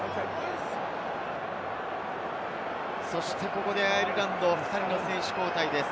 そしてここでアイルランド２人の選手交代です。